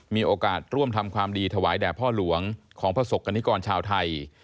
มีโอกาสร่วมทำความดีถวายแด่พ่อหลวงของประสบกรณิกรชาวไทย